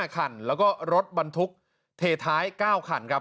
๕คันแล้วก็รถบรรทุกเทท้าย๙คันครับ